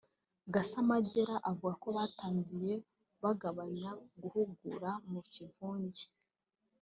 Gasamagera avuga ko batangiye bagabanya guhugura mu kivunge